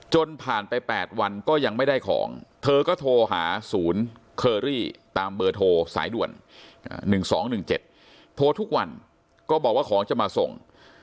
จนผ่านไป๘วันก็ยังไม่ได้ของเธอก็โทรหาศูนย์เคอรี่ตามเบอร์โทรสายด่วน๑๒๑๗โทรทุกวันก็บอกว่าของจะมาส่ง